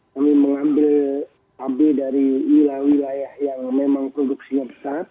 kami mengambil ab dari wilayah wilayah yang memang produksinya besar